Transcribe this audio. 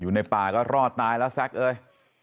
อยู่ในป่าก็รอดตายแล้วแซ็กเอ้ย